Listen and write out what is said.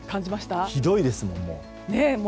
ひどいですもん、もう。